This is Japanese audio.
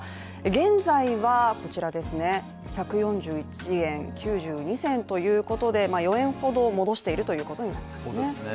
現在は１４１円９２銭ということで４円ほど戻しているということになりますね。